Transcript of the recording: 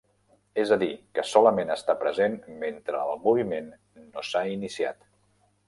És a dir que solament està present mentre el moviment no s'ha iniciat.